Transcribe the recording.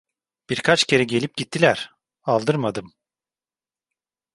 Birkaç kere gelip gittiler, aldırmadım.